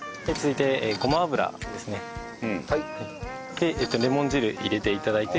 でレモン汁入れて頂いて。